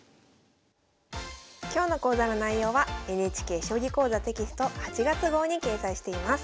今日の講座の内容はＮＨＫ「将棋講座」テキスト８月号に掲載しています。